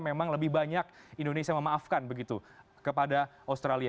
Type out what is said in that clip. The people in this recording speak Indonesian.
memang lebih banyak indonesia memaafkan begitu kepada australia